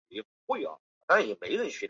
咸丰七年攻破。